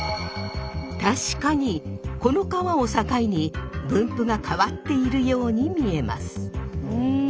確かにこの川を境に分布が変わっているように見えます。